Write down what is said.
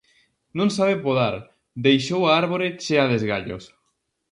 Non sabe podar, deixou a árbore chea de esgallos.